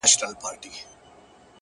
شپې پسې ولاړې